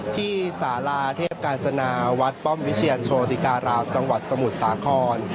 ที่สาราเทพกาญจนาวัดป้อมวิเชียรโชติการามจังหวัดสมุทรสาคร